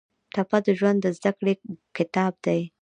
ټپه د ژوند د زده کړې کتاب دی.